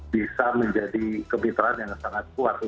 bisa menjadi kemitraan yang sangat kuat